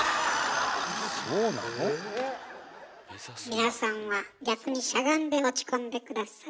皆さんは逆にしゃがんで落ち込んで下さい。